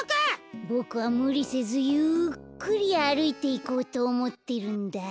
ボクはむりせずゆっくりあるいていこうとおもってるんだ。